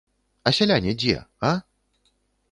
А сяляне дзе, а?